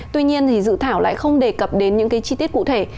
tuy nhiên thì dự thảo lại không đề cập đến những cái chi tiết cụ thể